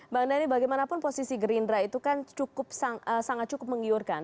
bang dhani bagaimanapun posisi gerindra itu kan sangat cukup menggiurkan